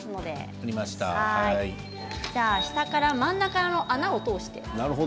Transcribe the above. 下から真ん中の穴を通して。